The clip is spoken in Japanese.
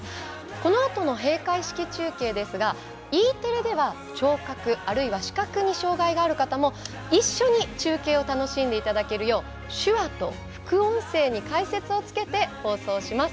このあとの閉会式中継ですがＥテレでは、聴覚あるいは視覚に障がいがある方も一緒に楽しんでいただけるよう手話と副音声に解説をつけて放送します。